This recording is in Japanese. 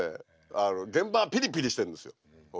あの現場はピリピリしてるんですよ。